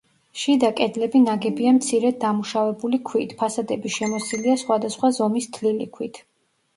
შიდა კედლები ნაგებია მცირედ დამუშავებული ქვით, ფასადები შემოსილია სხვადასხვა ზომის თლილი ქვით.